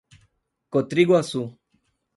Cotriguaçu